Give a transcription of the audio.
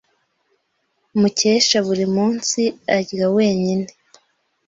Mukesha buri munsi arya wenyine.